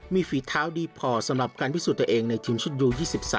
มีฝีเท้าดีพอสำหรับการพิสูจน์ตัวเองในทีมชุดยู๒๓